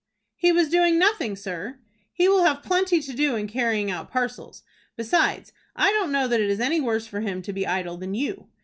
"He was doing nothing, sir." "He will have plenty to do in carrying out parcels. Besides, I don't know that it is any worse for him to be idle than you.